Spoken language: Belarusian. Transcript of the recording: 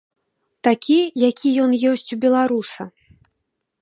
Такі, які ён ёсць у беларуса.